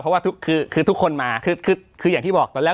เพราะว่าทุกคือคือทุกคนมาคือคืออย่างที่บอกตอนแรก